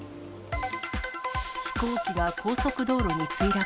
飛行機が高速道路に墜落。